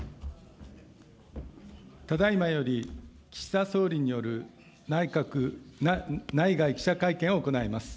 ただいまより、岸田総理による内外記者会見を行います。